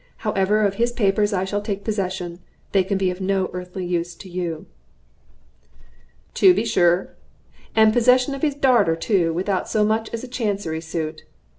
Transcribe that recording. However, of his papers I shall take possession; they can be of no earthly use to you." "To be sure. And possession of his darter too, without so much as a Chancery suit.